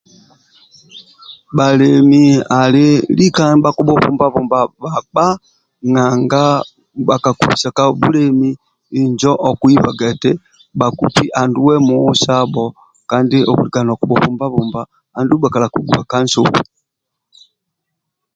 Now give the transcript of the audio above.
Bhalemi ali lika nibhakibhubumba-bumba bhakpa nanga bhakakubisa ka bulemi injo okuibaga eti bhakupi anduwe muha sabho kandi okulika nokubhubumba-bumba andulu bhakalakiguwa ka nsobi